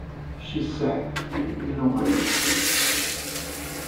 She said, You know I do.